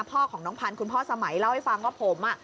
พ่อของน้องพันธ์คุณพ่อสมัยเล่าให้ฟังว่าผม